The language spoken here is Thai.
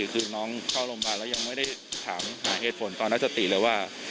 คือน้องเข้าโรงพยาบาลแล้วยังไม่ได้ถามหาเหตุผลตอนนั้นสติเลยว่า